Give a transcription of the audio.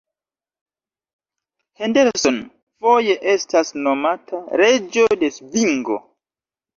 Henderson foje estas nomata „Reĝo de svingo“.